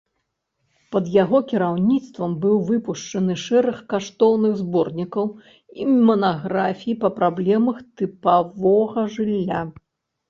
Пад яго кіраўніцтвам быў выпушчаны шэраг каштоўных зборнікаў і манаграфій па праблемах тыпавога жылля.